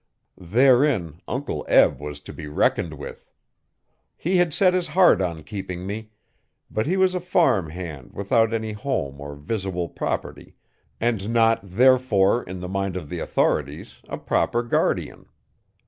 Therein Uncle Eb was to be reckoned with. He had set his heart on keeping me, but he was a farm hand without any home or visible property and not, therefore, in the mind of the authorities, a proper guardian.